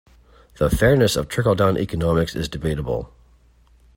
The fairness of trickle-down economics is debatable.